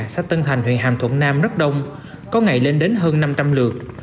xã tân thành huyện hàm thuận nam rất đông có ngày lên đến hơn năm trăm linh lượt